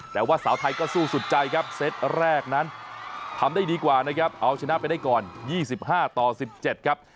แต่ว่าสาวไทยก็สู้สุดใจครับเซตแรกนั้นทำได้ดีกว่านะครับเอาชนะไปได้ก่อน๒๕ต่อ๑๗ครับ